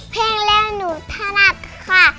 เพลงเล่นหนูถนัดค่ะ